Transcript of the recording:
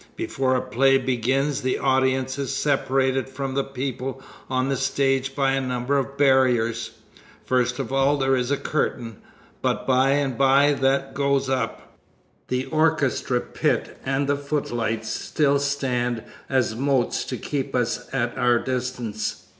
Before a play begins the audience is separated from the people on the stage by a number of barriers. First of all, there is the curtain, but by and by that goes up. The orchestra pit and the footlights still stand as moats to keep us at our distance.